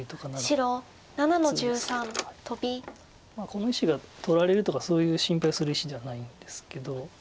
この石が取られるとかそういう心配をする石じゃないんですけど。